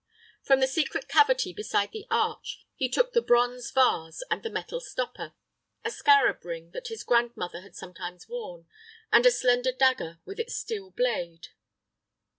From the secret cavity beside the arch he took the bronze vase with the metal stopper, a scarab ring that his grandmother had sometimes worn, and a slender dagger with a steel blade.